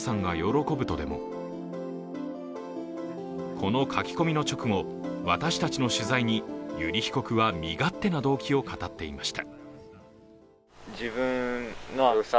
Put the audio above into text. この書き込みの直後、私たちの取材に油利被告は身勝手な動機を語っていました。